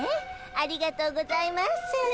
ありがとうございます。